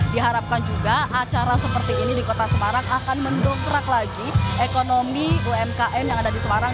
diharapkan juga acara seperti ini di kota semarang akan mendongkrak lagi ekonomi umkm yang ada di semarang